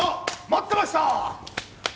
待ってました！